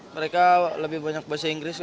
mereka lebih banyak bahasa inggris